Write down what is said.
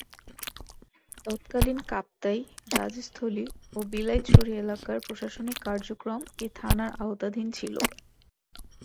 তৎকালীন কাপ্তাই, রাজস্থলী ও বিলাইছড়ি এলাকার প্রশাসনিক কার্যক্রম এ থানার আওতাধীন ছিল।